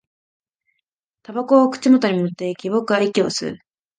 煙草を口元に持っていき、僕は息を吸う